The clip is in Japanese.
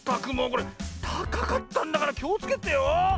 これたかかったんだからきをつけてよ。